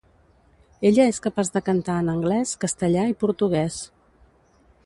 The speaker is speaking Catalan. Ella és capaç de cantar en anglès, castellà i portuguès.